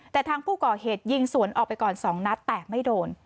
แต่ทางผู้ก่อเหตุยิงสวนออกไปก่อน๒นัดแต่ไม่โดน